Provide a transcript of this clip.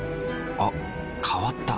あ変わった。